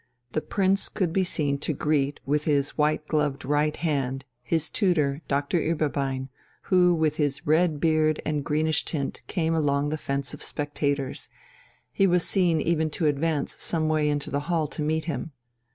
The Prince could be seen to greet with his white gloved right hand his tutor, Doctor Ueberbein, who with his red beard and greenish tint came along the fence of spectators; he was seen even to advance some way into the hall to meet him.